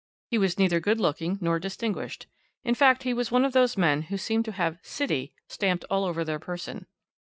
He was neither good looking nor distinguished, in fact, he was one of those men who seem to have CITY stamped all over their person.